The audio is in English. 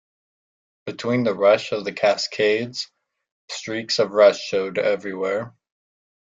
Between the rush of the cascades, streaks of rust showed everywhere.